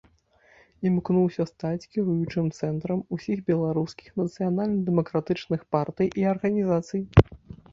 Імкнуўся стаць кіруючым цэнтрам усіх беларускіх нацыянальна-дэмакратычных партый і арганізацый.